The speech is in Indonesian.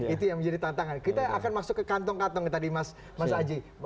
itu yang menjadi tantangan kita akan masuk ke kantong kantong tadi mas aji